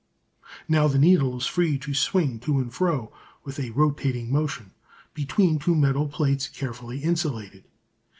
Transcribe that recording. Now the needle is free to swing to and fro, with a rotating motion, between two metal plates carefully insulated.